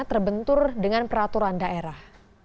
terbentur dengan peraturan daerah